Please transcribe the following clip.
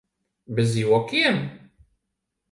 Bez jokiem?